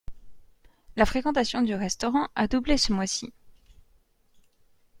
La fréquentation du restaurant a doublé ce mois-ci.